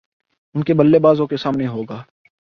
ان کے بلے بازوں کے سامنے ہو گا